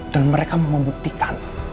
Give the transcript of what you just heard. dan mereka membuktikan